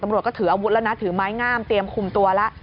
ตำรวจก็ถืออาวุธแล้วนะถือไม้งามเตรียมคุมตัวแล้ว